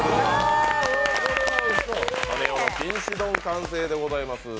きんし丼、完成でございます。